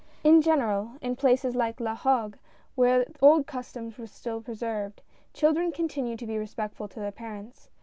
In general, in places like La Hague, where old customs are still preserved, children continue to be respectful to their parents.